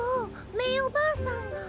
メイおばあさんが。